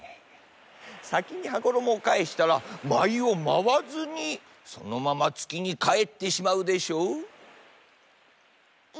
さきに羽衣をかえしたらまいをまわずにそのままつきにかえってしまうでしょう？